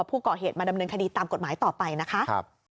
ผู้ก่อเหตุมาดำเนินคดีตามกฎหมายต่อไปนะคะ